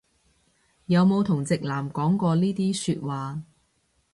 有冇同直男講過呢啲説話